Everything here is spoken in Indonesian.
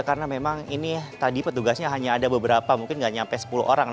karena memang ini tadi petugasnya hanya ada beberapa mungkin nggak sampai sepuluh orang